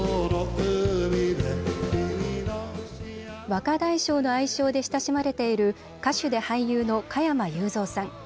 若大将の愛称で親しまれている歌手で俳優の加山雄三さん。